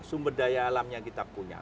sumber daya alamnya kita punya